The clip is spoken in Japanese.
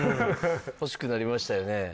欲しくなりましたよね？